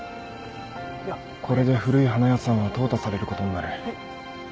これで古い花屋さんは淘汰されることになる。